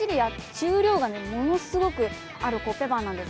重量感ものすごくあるコッペパンなんです。